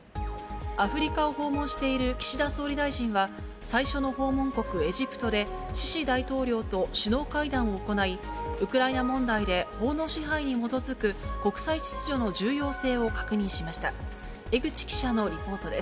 アフリカを訪問している岸田総理大臣は、最初の訪問国、エジプトでシシ大統領と首脳会談を行い、ウクライナ問題で法の支配に基づく国際秩序の重要性を確認しました。